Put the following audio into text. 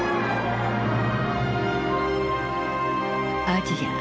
アジア